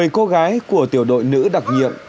một mươi cô gái của tiểu đội nữ đặc nhiệm